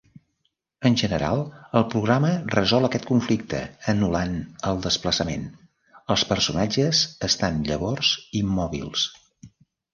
En general, el programa resol aquest conflicte anul·lant el desplaçament; els personatges estan llavors immòbils.